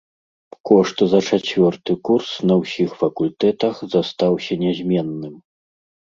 Кошт за чацвёрты курс на ўсіх факультэтах застаўся нязменным.